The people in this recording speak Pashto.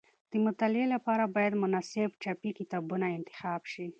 د مطالعې لپاره باید مناسب چاپي کتابونه انتخاب شي.